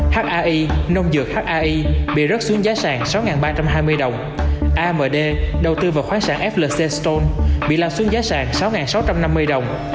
hi nông dược hai bị rớt xuống giá sàng sáu ba trăm hai mươi đồng amd đầu tư vào khoáng sản flc stolt bị làm xuống giá sàng sáu sáu trăm năm mươi đồng